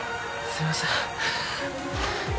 すいません。